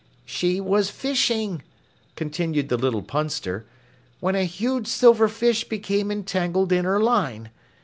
"She was fishing," continued the little Punster, "when a huge silver fish became entangled in her line.